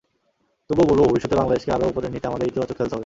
তবুও বলব ভবিষ্যতে বাংলাদেশকে আরও ওপরে নিতে আমাদের ইতিবাচক খেলতে হবে।